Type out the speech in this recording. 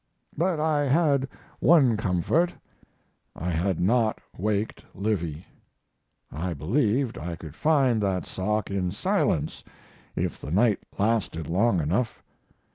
But I had one comfort I had not waked Livy; I believed I could find that sock in silence if the night lasted long enough.